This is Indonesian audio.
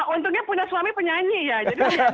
untungnya punya suami penyanyi ya jadi penyanyi